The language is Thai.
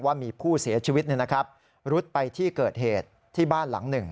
ว่ามีผู้เสียชีวิตรุดไปที่เกิดเหตุที่บ้านหลังหนึ่ง